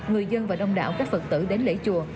người dân và đông đảo các phật tử đến lễ chùa